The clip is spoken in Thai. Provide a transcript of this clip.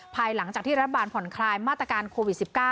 ภายหลังจากที่รัฐบาลผ่อนคลายมาตรการโควิด๑๙